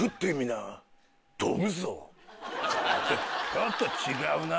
ちょっと違うな。